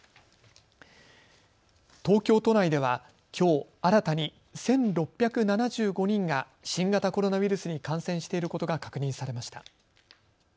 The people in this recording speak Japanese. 東京都内では、きょう新たに１６７５人が新型コロナウイルスに感染していることが確認されました。